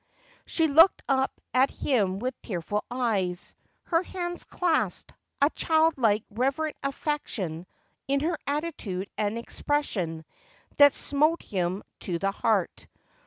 She looked up at him with tearful eyes, her hands clasped, a child like, reverent affection in her attitude and expression that smote him to the heart.